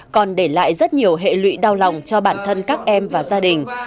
còn để lại rất nhiều hệ lụy đau lòng cho bản thân các em và gia đình